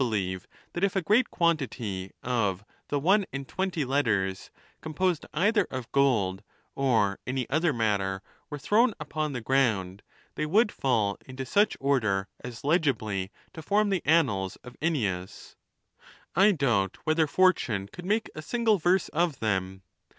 believe that if a great quantity of the one and twenty let ters, composed either of gold or any other matter, were thrown upon the groujid, they would fall into such order as legibly to form the Annals of Ennius. I doubt whether fortune could make a single verse of them.